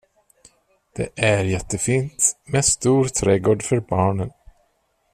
Det ärjättefint, med stor trädgård för barnen.